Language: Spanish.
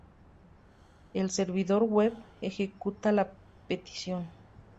El servidor web ejecuta la petición.